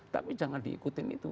tapi jangan diikutin itu